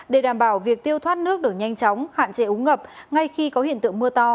để đảm bảo việc tiêu thoát nước được nhanh chóng hạn chế úng ngập ngay khi có hiện tượng mưa to